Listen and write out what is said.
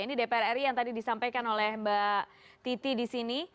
ini dpr ri yang tadi disampaikan oleh mbak titi di sini